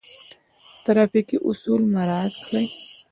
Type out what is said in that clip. ټرافیکي اصول مراعات کړئ